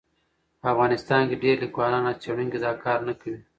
په افغانستان کې ډېر لیکوالان او څېړونکي دا کار نه کوي.